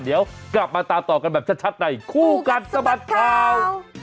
เดี๋ยวกลับมาตามต่อกันแบบชัดในคู่กัดสะบัดข่าว